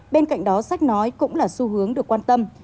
bên cạnh đó sách nói cũng là xu hướng được quan tâm